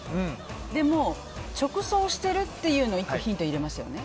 でも直送してるっていうの１個、ヒントを入れましたよね。